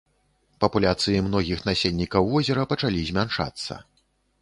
Папуляцыі многіх насельнікаў возера пачалі змяншацца.